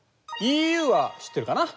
ＥＵは知ってるかな？